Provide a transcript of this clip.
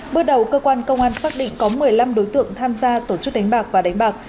bước đầu cơ quan công an xác định có một mươi năm đối tượng tham gia tổ chức đánh bạc và đánh bạc